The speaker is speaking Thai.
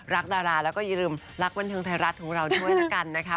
รักดาราและก็อย่าลืมรักวันเทิงไทยรัฐของเราด้วยนะครับ